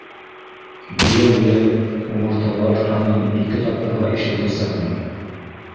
Быйыл йәй умарталар һанын ике тапҡырға ишәйтәсәкмен!